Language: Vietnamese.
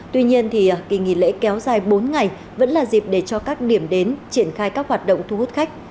tuy nhiên kỳ nghỉ lễ kéo dài bốn ngày vẫn là dịp để cho các điểm đến triển khai các hoạt động thu hút khách